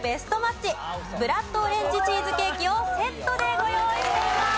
ブラッドオレンジチーズケーキをセットでご用意しています。